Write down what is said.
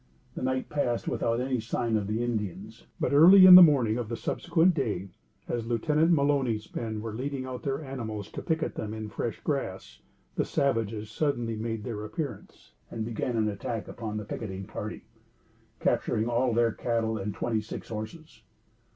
The night passed by without any signs of the Indians; but, early in the morning of the subsequent day, as Lieutenant Mulony's men were leading out their animals to picket them in fresh grass, the savages suddenly made their appearance and began an attack upon the picketing party, capturing all their cattle and twenty six horses.